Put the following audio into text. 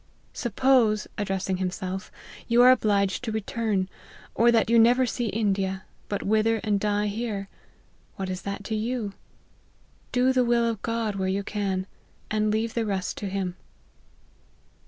Suppose," (addressing himself,) " you are obliged to return, or that you never see India, but wither and die here, what is that to you ? Do the will of God where you can, and leave the rest to him."